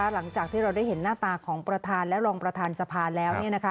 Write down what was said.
หลังจากที่เราได้เห็นหน้าตาของประธานและรองประธานสภาแล้ว